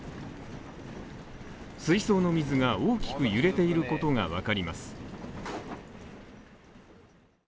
水槽の水が大きく揺れていることがわかります。